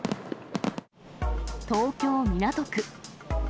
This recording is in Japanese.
東京・港区。